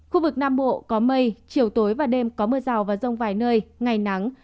khu vực nam bộ có mây chiều tối và đêm có mưa rào và rông vài nơi ngày nắng